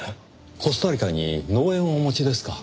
コスタリカに農園をお持ちですか。